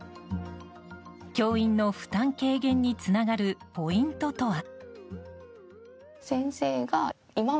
教員の負担軽減につながるポイントとは。